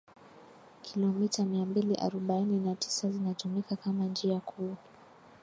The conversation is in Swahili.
Kilometa mia mbili arobaini na tisa zitatumika kama njia kuu